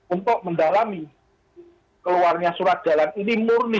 untuk mendalami keluarnya surat jalan ini murni